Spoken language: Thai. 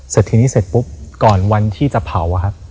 เสร็จทีนี้เสร็จปุ๊บก่อนวันที่จะเผาอะครับ